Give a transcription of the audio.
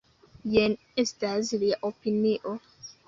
Jen estas lia opinio.